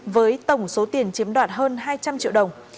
với tổng số tiền chiếm đoạt hơn hai trăm linh triệu đồng